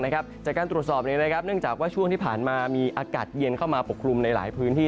จากการตรวจสอบเนื่องจากว่าช่วงที่ผ่านมามีอากาศเย็นเข้ามาปกคลุมในหลายพื้นที่